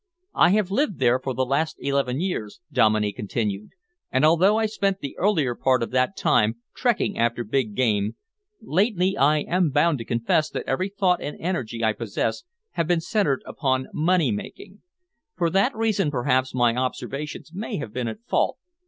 "I have lived there for the last eleven years," Dominey continued, "and although I spent the earlier part of that time trekking after big game, lately I am bound to confess that every thought and energy I possess have been centered upon money making. For that reason, perhaps, my observations may have been at fault.